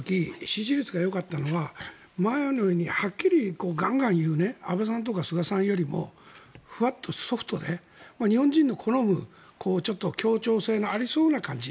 支持率がよかったのがはっきりガンガン言う安倍さんとか菅さんよりもふわっとソフトで日本人の好むちょっと協調性のありそうな感じ。